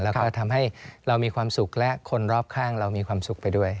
แล้วก็ทำให้เรามีความสุขและคนรอบข้างเรามีความสุขไปด้วย